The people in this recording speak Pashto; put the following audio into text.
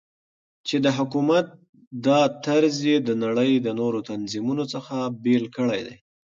چې دحكومت دا طرز يي دنړۍ دنورو تنظيمونو څخه بيل كړى دى .